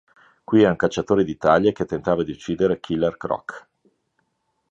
Qui è un cacciatore di taglie che tentava di uccidere Killer Croc.